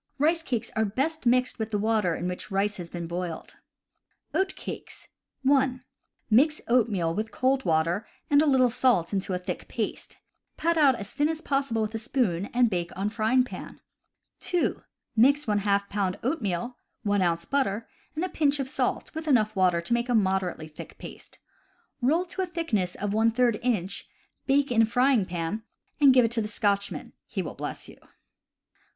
Rice cakes are best mixed with the water in which rice has been boiled. Oat Cakes. — (1) Mix oatmeal with cold water and a little salt into a thick paste, pat it out as thin as pos sible with a spoon, and bake on the frying pan. (2) Mix h pound oatmeal, 1 ounce butter, and a pinch of salt with enough water to make a moderately thick paste. Roll to a thickness of J inch, bake in frying pan, and give it to the Scotchman — he will bless you.